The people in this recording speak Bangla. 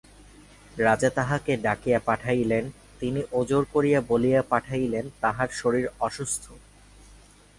রাজা তাঁহাকে ডাকিয়া পাঠাইলেন, তিনি ওজর করিয়া বলিয়া পাঠাইলেন তাঁহার শরীর অসুস্থ।